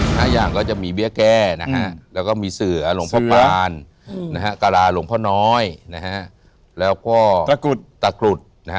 อย่างก็จะมีเบี้ยแก้นะฮะแล้วก็มีเสือหลวงพ่อปานนะฮะกะลาหลวงพ่อน้อยนะฮะแล้วก็ตะกรุดตะกรุดนะฮะ